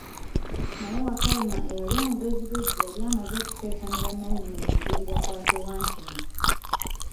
Naye Wakayima eyali omugezigezi yali amaze okuteesa ne bananyini musiri bakwate Wankima .